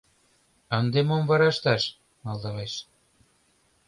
— Ынде мом вара ышташ? — малдалеш.